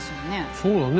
そうだね。